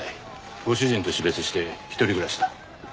ご主人と死別して一人暮らしだ。